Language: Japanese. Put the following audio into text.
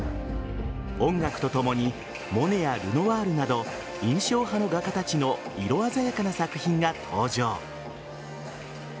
音楽とともにモネやルノワールなど印象派の画家たちの色鮮やかな作品が登場。